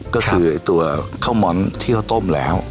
ก็คือตัวข้าวม้อนที่เขาต้มแล้ว